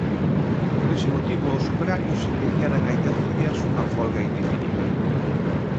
Por ese motivo os operarios iniciaran hai dez días unha folga indefinida.